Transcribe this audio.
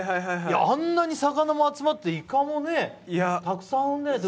あんなに魚も集まって、イカもよくたくさん産んだね。